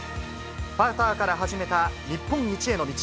パターから始めた日本一への道。